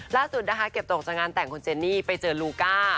ล่าสุดนะคะเก็บตกจากงานแต่งคุณเจนี่ไปเจอลูก้า